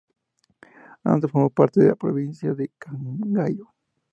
Antes formó parte de la provincia de Cangallo.